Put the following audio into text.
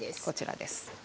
こちらです。